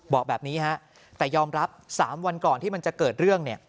บอกแบบนี้ฮะแต่ยอมรับ๓วันก่อนที่มันจะเกิดเรื่องเนี่ย